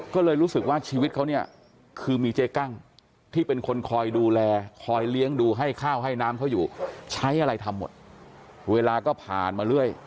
ก็เลยรู้สึกว่าชีวิตเขาเนี่ยคือมีเจ๊กั้งที่เป็นคนคอยดูแลคอยเลี้ยงดูให้ข้าวให้น้ำเขาอยู่ใช้อะไรทำหมดเวลาก็ผ่านมาเรื่อย